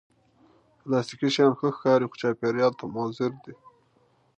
پلاستيکي شیان ښه ښکاري، خو چاپېریال ته مضر دي